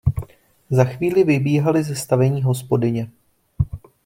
Za chvíli vybíhaly ze stavení hospodyně.